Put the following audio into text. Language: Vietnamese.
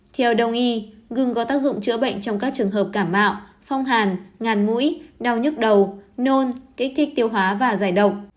theo đồng ý gừng có tác dụng chữa bệnh trong các trường hợp cảm mạo phong hàn ngàn mũi đau nhức đầu nôn kích thích tiêu hóa và giải động